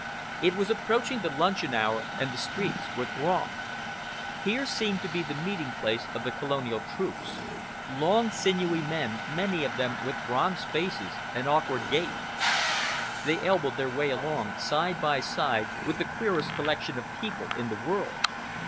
It was approaching the luncheon hour and the streets were thronged. Here seemed to be the meeting place of the Colonial troops, long, sinewy men, many of them, with bronzed faces and awkward gait. They elbowed their way along, side by side with the queerest collection of people in the world.